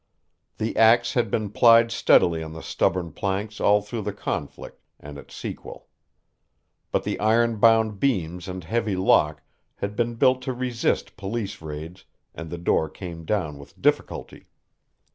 The ax had been plied steadily on the stubborn planks all through the conflict and its sequel. But the iron bound beams and heavy lock had been built to resist police raids, and the door came down with difficulty.